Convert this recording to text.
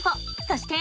そして。